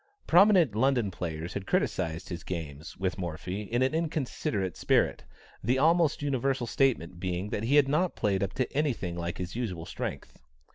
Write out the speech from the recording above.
Prominent London players had criticized his games with Morphy in an inconsiderate spirit, the almost universal statement being that he had not played up to any thing like his usual strength.